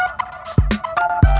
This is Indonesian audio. kau mau kemana